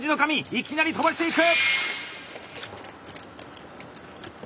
いきなり飛ばしていく！